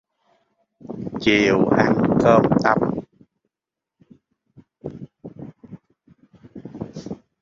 Những ngày nghỉ học